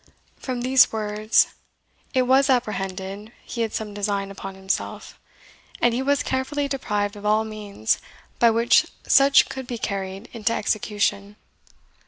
From these words it was apprehended he had some design upon himself, and he was carefully deprived of all means by which such could be carried into execution.